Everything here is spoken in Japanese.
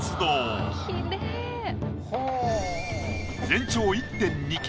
全長１．２ｋｍ。